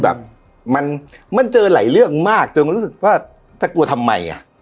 แบบมันมันเจอหลายเรื่องมากจนรู้สึกว่าจะกลัวทำไมอ่ะ